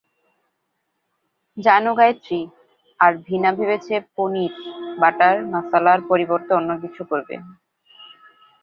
জানো গায়ত্রী আর ভীনা ভেবেছে পনীর বাটার মাসালার পরিবর্তে অন্য কিছু করবে।